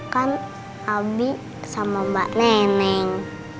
kan abi sama mbak neneng